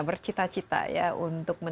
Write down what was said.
bercita cita ya untuk